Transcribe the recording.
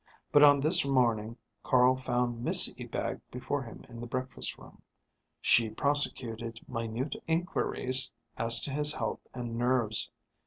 But on this morning Carl found Miss Ebag before him in the breakfast room. She prosecuted minute inquiries as to his health and nerves.